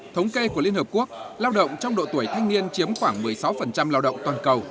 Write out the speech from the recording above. thống kê của liên hợp quốc lao động trong độ tuổi thanh niên chiếm khoảng một mươi sáu lao động toàn cầu